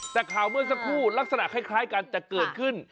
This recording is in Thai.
แต่ข่าวเมื่อสักครู่ลักษณะคล้ายกันจะเกิดขึ้น